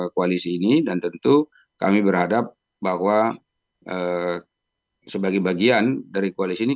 koalisi ini dan tentu kami berharap bahwa sebagai bagian dari koalisi ini